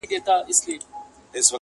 میخانه ده نړېدلې تش له میو ډک خُمونه!